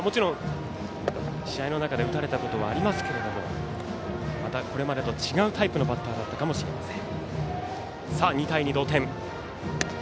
もちろん、試合の中で打たれたことはありますがまたこれまでと違うタイプのバッターだったかもしれません。